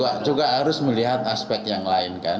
ya ke pasen hukum juga harus melihat aspek yang lain kan